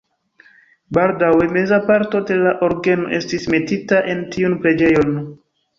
Baldaŭe meza parto de la orgeno estis metita en tiun preĝejon.